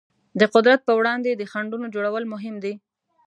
د قدرت پر وړاندې د خنډونو جوړول مهم دي.